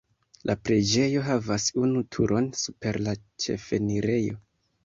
La preĝejo havas unu turon super la ĉefenirejo.